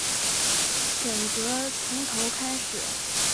选择从头开始